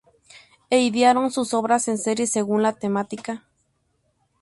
E idearon sus obras en serie según la temática.